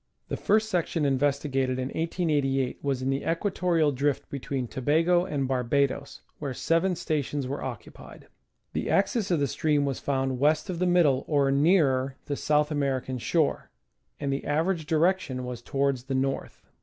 The first section investigated in 1888 was in the equatorial drift between Tobago and Barbados, where seven stations were occupied. The axis of the stream was found west of the middle, or nearer the South American shore, and the average direction was towards the north.